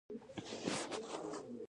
پکتيا ډیره صافه هوا لري